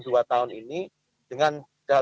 dua tahun ini dengan